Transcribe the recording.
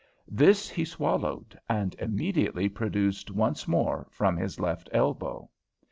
This he swallowed and immediately produced once more from his left elbow.